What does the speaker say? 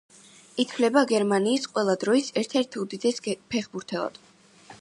ითვლება გერმანიის ყველა დროის ერთ-ერთ უდიდეს ფეხბურთელად.